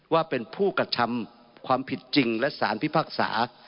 ว่าเป็นผู้กระทำความผิดจริงและสารพิพากษา